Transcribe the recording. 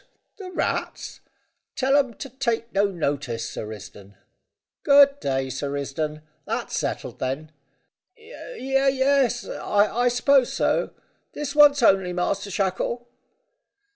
The rats? Tell 'em to take no notice, Sir Risdon. Good day, Sir Risdon. That's settled, then?" "Ye es I suppose so. This once only, Master Shackle."